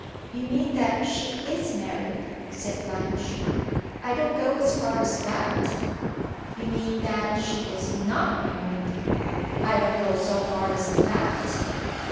"You mean that she is married?" said Blanche. "I don't go as far as that." "You mean that she is not married?" "I don't go so far as _that.